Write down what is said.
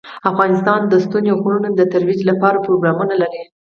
افغانستان د ستوني غرونه د ترویج لپاره پروګرامونه لري.